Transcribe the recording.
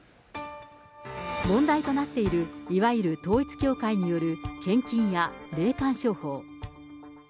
問題となっているいわゆる統一教会による献金や霊感商法。